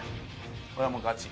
これはもうガチ。